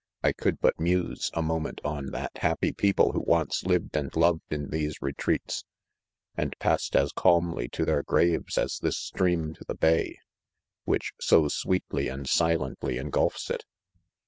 I could but muse, a moment, on that happy people who once lived" and loved in these retreats, and passed as calmly to their grave's as this stream to the bay, which so sweetly and silently engulfs it.